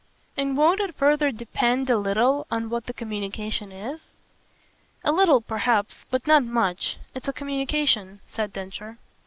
"And won't it further depend a little on what the communication is?" "A little perhaps but not much. It's a communication," said Densher.